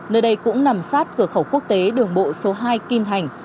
nơi đây cũng nằm sát cửa khẩu quốc tế đường bộ số hai kim thành